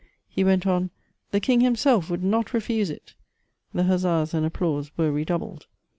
He went on :" The king himself would not refuse it." The huzzas and applause were redoubled.